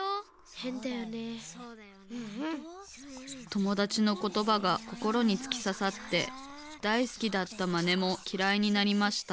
ともだちのことばがこころにつきささってだいすきだったまねもきらいになりました